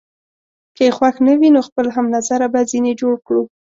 که يې خوښ نه وي، نو خپل هم نظره به ځینې جوړ کړو.